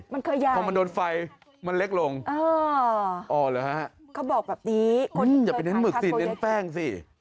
มันเคยใหญ่ความมันโดนไฟมันเล็กลงอ๋อเหรอฮะอย่าไปเน้นหมึกสิเน้นแป้งสิ